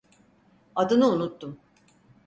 Adını unuttum.